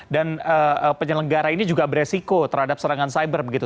dan penyelenggara ini juga beresiko terhadap serangan cyber begitu